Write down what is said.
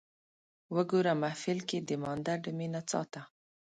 وګوره محفل کې د مانده ډمې نڅا ته